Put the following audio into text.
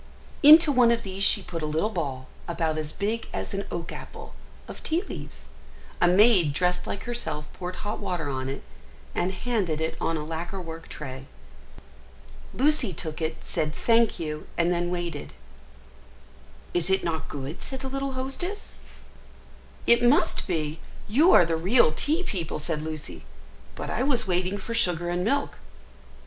Into one of these she put a little ball, about as big as an oak apple, of tea leaves; a maid dressed like herself poured hot water on it, and handed it on a lacquer work tray. Lucy took it, said, "Thank you," and then waited. [Illustration: "Is it not good?" said the little hostess. Page 72.] "Is it not good?" said the little hostess. "It must be! You are the real tea people," said Lucy; "but I was waiting for sugar and milk."